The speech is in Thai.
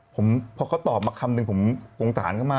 ผมพอเขาตอบมาคำหนึ่งผมสงสารเขามาก